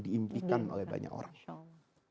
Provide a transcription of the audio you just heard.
diimpikan oleh banyak orang